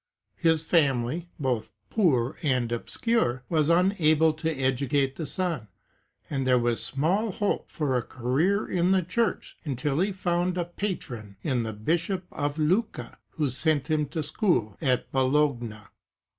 His family, both poor and obscure, was unable to educate the son and there was small hope for a career in the church until he found a patron in the Bishop of Lucca, who sent him to school at Bologna.